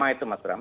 itu mas ram